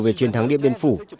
về chiến thắng điện biên phủ